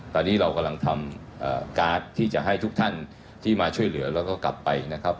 ตอนนี้เรากำลังทำการ์ดที่จะให้ทุกท่านที่มาช่วยเหลือแล้วก็กลับไปนะครับ